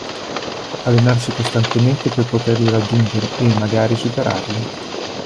Allenarsi costantemente per poterli raggiungere e, magari, superarli.